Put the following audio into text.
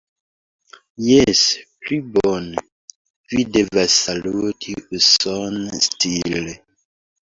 Jes, pli bone. Vi devas saluti uson-stile.